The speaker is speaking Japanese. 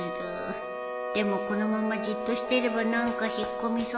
でもこのままじっとしてれば何か引っ込みそうな気もするな